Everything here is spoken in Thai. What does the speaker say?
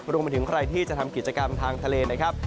รวมไปถึงใครที่จะทำกิจกรรมทางทะเลนะครับ